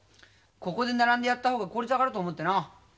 ここで並んでやった方が効率上がると思ってな。